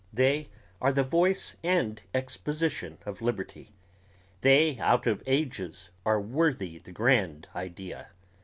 They are the voice and exposition of liberty. They out of ages are worthy the grand idea ...